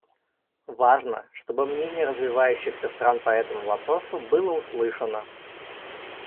Важно, чтобы мнение развивающихся стран по этому вопросу было услышано.